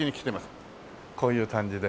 こういう感じで。